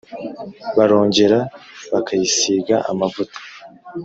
barongera bakayisiga amavuta